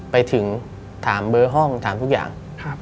ไปถึงถามเบอร์ห้องถามทุกอย่าง